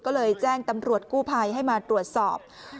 ก็เลยแจ้งตำรวจกู้ภัยให้มาตรวจสอบ